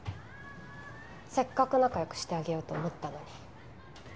せっかく仲良くしてあげようと思ったのに。